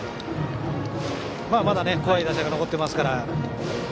まあ、まだ怖い打者が残っていますから。